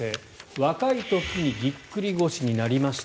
若い時にぎっくり腰になりました。